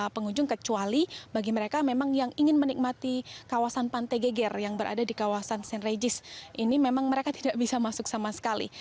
pengunjung kecuali bagi mereka memang yang ingin menikmati kawasan pantai geger yang berada di kawasan st regis ini memang mereka tidak bisa masuk sama sekali